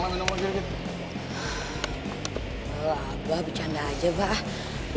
bapak bercanda aja pak